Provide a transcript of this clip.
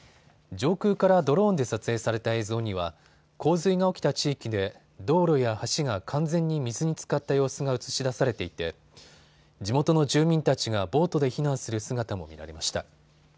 上空からドローンで撮影された映像には洪水が起きた地域で道路や橋が完全に水につかった様子が映し出されていて地元の住民たちがボートで避難する姿も見られました。